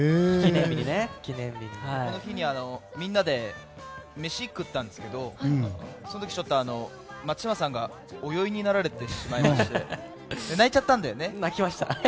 この日にみんなで飯、食ったんですけどその時、松島さんがお酔いになられてしまって泣きました。